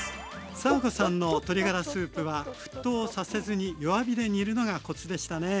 佐和子さんの鶏ガラスープは沸騰させずに弱火で煮るのがコツでしたね。